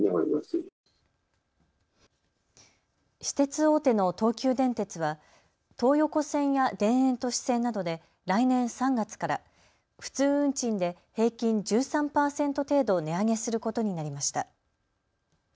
私鉄大手の東急電鉄は東横線や田園都市線などで来年３月から普通運賃で平均１３％程度値上げすることになりました。